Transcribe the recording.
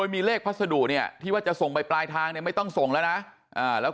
มีเลขพัสดุเนี่ยที่ว่าจะส่งไปปลายทางเนี่ยไม่ต้องส่งแล้วนะแล้ว